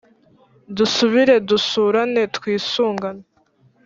dusubire dusurane twisungane